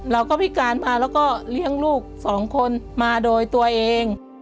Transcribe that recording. พิการมาแล้วก็เลี้ยงลูกสองคนมาโดยตัวเอง